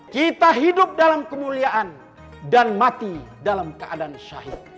kita hidup dalam kemuliaan dan mati dalam keadaan syahid